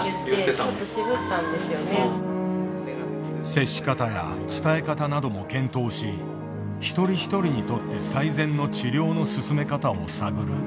接し方や伝え方なども検討し一人一人にとって最善の治療の進め方を探る。